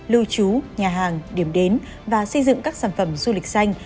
lưu trú nhà hàng điểm đến và xây dựng các sản phẩm du lịch xanh